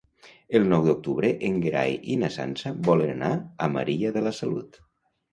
El nou d'octubre en Gerai i na Sança volen anar a Maria de la Salut.